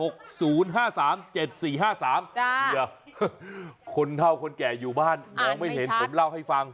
คุณเท่าคนแก่อยู่บ้านน้องไม่เห็นผมเล่าให้ฟัง